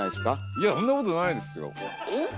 いやそんなことないですよ。